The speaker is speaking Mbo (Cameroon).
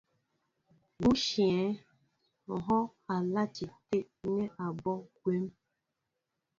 Mbú' íshyə̂ í hɔ́ɔ́ŋ a lati tə̂ nɛ́ abɔ́' kwón.